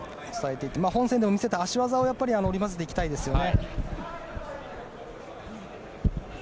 本戦でも見せた足技を織り交ぜていきたいですよね。